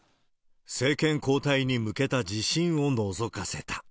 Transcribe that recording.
政権交代に向けた自信をのぞかせた。